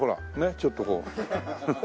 ちょっとこう。